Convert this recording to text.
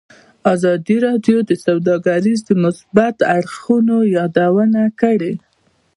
ازادي راډیو د سوداګري د مثبتو اړخونو یادونه کړې.